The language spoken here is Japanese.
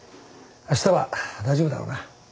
あしたは大丈夫だろうな。